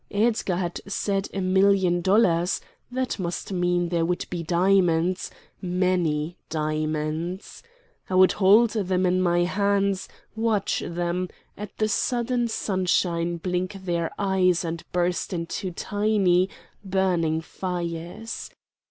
Edgar had said a million dollars. That must mean there would be diamonds, many diamonds. I would hold them in my hands, watch them, at the sudden sunshine, blink their eyes and burst into tiny, burning fires.